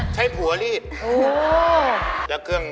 ใช้อะไรนะ